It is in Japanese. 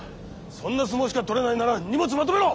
そんな相撲しか取れないなら荷物まとめろ！